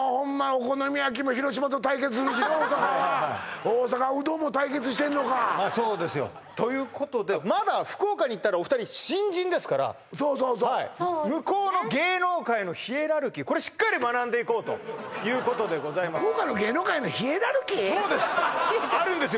お好み焼きも広島と対決するしな大阪は大阪うどんも対決してんのかそうですよということでまだ福岡に行ったらお二人新人ですからそうそうそう向こうの芸能界のヒエラルキーこれしっかり学んでいこうということでございますそうですあるんですよ